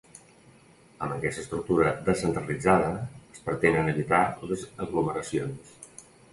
Amb aquesta estructura descentralitzada, es pretenen evitar les aglomeracions.